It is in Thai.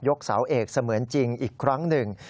กเสาเอกเสมือนจริงอีกครั้งหนึ่ง